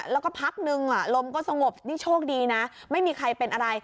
แล้วก็พักนึงลมก็สงบนี่โชคดีนะไม่มีใครเป็นอะไร